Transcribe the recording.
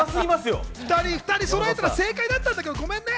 ２人そろえたら正解だったんだけど、ごめんね。